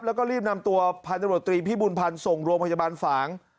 แล้วก็รีบนำตัวพันธบรตรีพี่บุญพันธ์ส่งโรงพยาบาลฝาง